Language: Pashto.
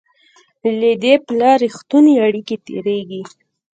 له دې پله رښتونې اړیکې تېرېږي.